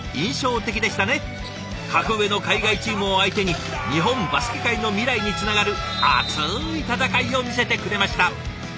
格上の海外チームを相手に日本バスケ界の未来につながる熱い戦いを見せてくれました。